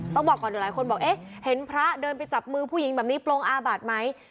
ต้องบอกก่อนเดี๋ยวหลายคนบอกเอ๊ะเห็นพระเดินไปจับมือผู้หญิงแบบนี้โปรงอาบาทไหม